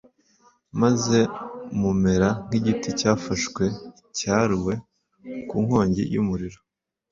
maze mumera nk’igiti cyafashwe cyaruwe mu nkongi y’umuriro,